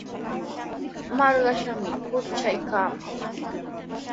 Marqashqami purichikamaq.